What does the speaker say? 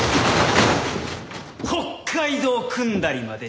北海道くんだりまで。